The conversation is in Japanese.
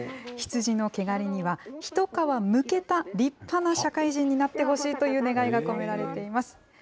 ヒツジの毛刈りには、ひと皮むけた立派な社会人になってほしいという願いが込められています。